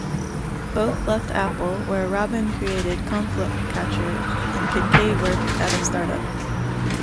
Both left Apple, where Robbin created Conflict Catcher and Kincaid worked at a startup.